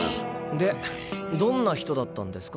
でどんな人だったんですか？